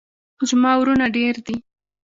زما ورونه ډیر دي